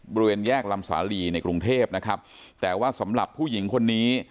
บริเวณแยกลำสาลีในกรุงเทพนะครับแต่ว่าสำหรับผู้หญิงคนนี้